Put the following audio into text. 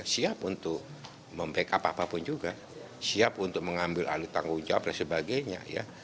siap untuk membackup apapun juga siap untuk mengambil alih tanggung jawab dan sebagainya ya